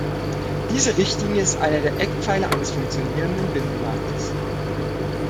Diese Richtlinie ist einer der Eckpfeiler eines funktionierenden Binnenmarktes.